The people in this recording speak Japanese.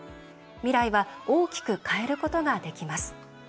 未来は大きく変えることができます。